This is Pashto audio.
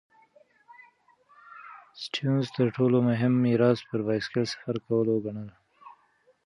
سټيونز تر ټولو مهم میراث پر بایسکل سفر کول ګڼل.